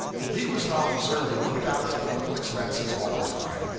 He was an officer who looked out for the little expenses all the time.